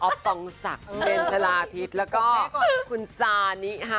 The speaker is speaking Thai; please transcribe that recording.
อ๊อบตองศักดิ์เมนชราอาทิตย์แล้วก็คุณซานิค่ะ